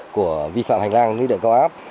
của vi phạm hành lang lưới điện có áp